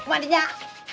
mak di nyak